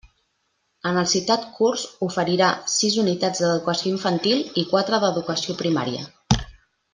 En el citat curs oferirà sis unitats d'Educació Infantil i quatre d'Educació Primària.